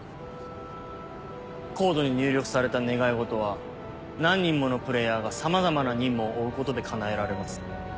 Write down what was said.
ＣＯＤＥに入力された願いごとは何人ものプレーヤーがさまざまな任務を負うことで叶えられます。